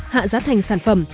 hạ giá thành sản phẩm